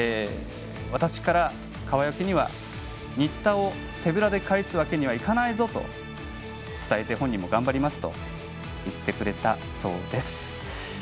私から川除には新田を手ぶらで帰すわけにはいかないぞと伝えて、本人も頑張りますと言ってくれたそうです。